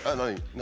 何？